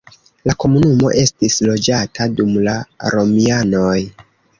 La komunumo estis loĝata dum la romianoj.